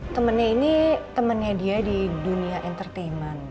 temennya ini temannya dia di dunia entertainment